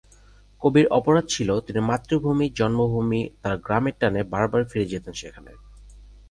কবির অপরাধ ছিল তিনি মাতৃভূমি-জন্মভূমি তার গ্রামের টানে বার বার ফিরে যেতেন সেখানে।